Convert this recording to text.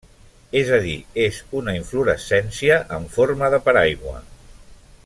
És a dir, és una inflorescència en forma de paraigua.